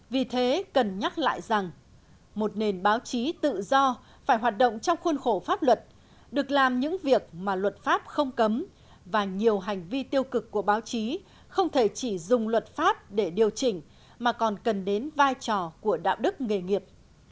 vì thế cần nhắc lại rằng một nền báo chí tự do phải hoạt động trong khuôn khổ pháp luật được làm những việc mà luật pháp không cấm và nhiều hành vi tiêu cực của báo chí không thể chỉ dùng luật pháp để điều chỉnh mà còn cần đến vai trò của đạo đức nghề nghiệp